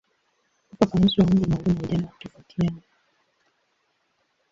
Ufafanuzi wa umri maalumu wa ujana hutofautiana.